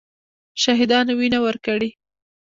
شهیدانو وینه ورکړې.